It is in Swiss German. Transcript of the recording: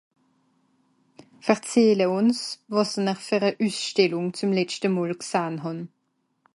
verzähle uns wàs'nr ver a üsstellung zum letschte mol g'sahn hàn